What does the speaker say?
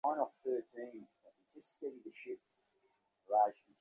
বোন হতে পারে না বুঝি!